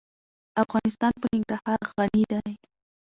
افغانستان په ننګرهار غني دی.